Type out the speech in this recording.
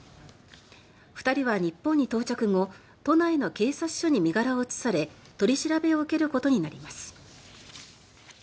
２人は日本に到着後都内の警察署に身柄を移され取り調べを受けることになります。